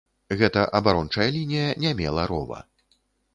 Гэта абарончая лінія не мела рова.